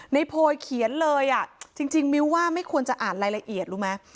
โพยเขียนเลยอ่ะจริงมิ้วว่าไม่ควรจะอ่านรายละเอียดรู้ไหม